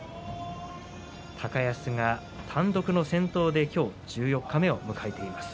高安が単独の先頭で今日十四日目を迎えています。